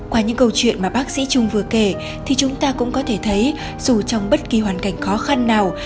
qua những câu chuyện mà bác sĩ trung vừa kể thì chúng ta cũng có thể thấy dù trong bất kỳ hoàn cảnh khó khăn nào